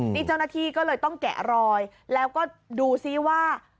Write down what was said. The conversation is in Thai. นี่เจ้าหน้าที่ก็เลยต้องแกะรอยแล้วก็ดูซิว่า